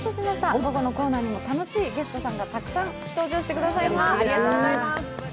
午後のコーナーにも楽しいゲストさんがたくさん登場してくださいます。